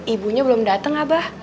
ibunya belum dateng abah